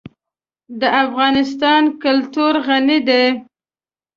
د افغانستان کلتور غني دی.